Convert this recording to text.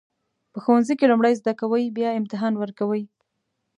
په ښوونځي کې لومړی زده کوئ بیا امتحان ورکوئ.